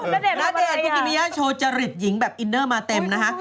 เอ้าณเดชน์ว่าอะไรอ่ะณเดชน์ภูกิเมียโชว์จริตหญิงแบบอินเนอร์มาเต็มนะฮะ